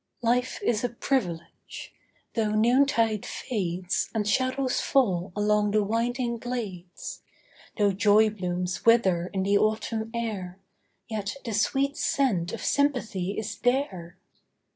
Life is a privilege. Though noontide fades And shadows fall along the winding glades; Though joy blooms wither in the autumn air, Yet the sweet scent of sympathy is there.